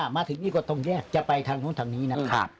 มาถึงนี่ก็ตรงแยกจะไปทางนู้นทางนี้นะครับ